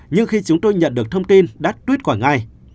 nhưng khi chúng tôi nhận được thông tin đắt tuyết quả ngay